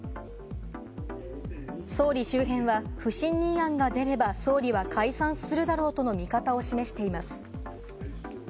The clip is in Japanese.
総理周辺は、不信任案が出れば総理は解散するだろうとの見方を示しています。